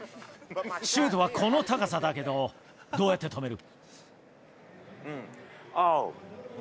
シュートはこの高さだけど、どうやって止める？